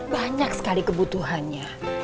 banyak sekali kebutuhannya